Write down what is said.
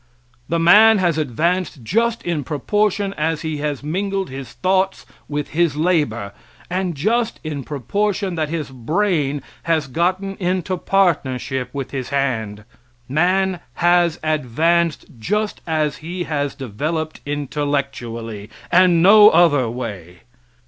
The man has advanced just in proportion as he has mingled his thoughts with his labor, and just in proportion that his brain has gotten into partnership with his hand. Man has advanced just as he has developed intellectually, and no other way.